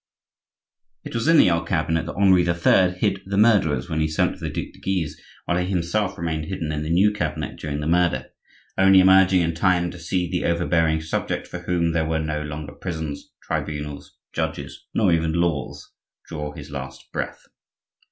It was in the old cabinet that Henri III. hid the murderers when he sent for the Duc de Guise, while he himself remained hidden in the new cabinet during the murder, only emerging in time to see the overbearing subject for whom there were no longer prisons, tribunals, judges, nor even laws, draw his last breath.